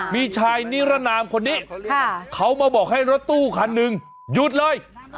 มีชายนิรนามคนนี้เขามาบอกให้รถตู้คันหนึ่งหยุดเลย